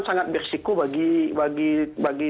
sangat bersiku bagi